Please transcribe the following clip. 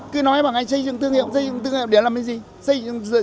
cứ nói bằng cách xây dựng thương hiệu xây dựng thương hiệu để làm cái gì